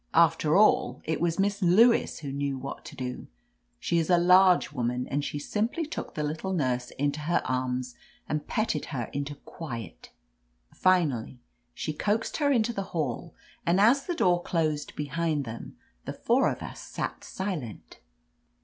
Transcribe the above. After all, it was Miss Lewis who knew what to do. She is a large woman, and she simply took the little nurse into her arms and petted her into quiet. Finally^ she coaxed her into the hall, and as the door closed behind them, the four of us sat' silent.